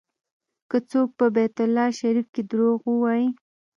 که څوک په بیت الله شریف کې دروغ ووایي.